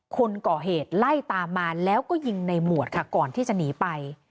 คนก่อเหตุไล่ตามมาแล้วก็ยิงในหมวดค่ะก่อนที่จะหนีไป